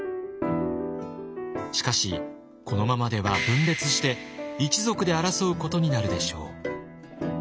しかしこのままでは分裂して一族で争うことになるでしょう。